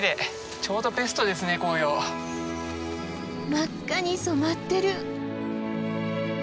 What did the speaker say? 真っ赤に染まってる。